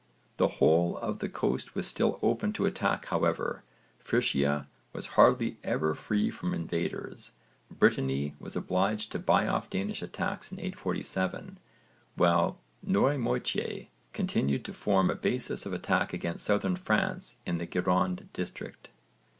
The whole of the coast was still open to attack however; Frisia was hardly ever free from invaders; Brittany was obliged to buy off Danish attacks in 847, while Noirmoutier continued to form a basis of attack against Southern France in the Gironde district.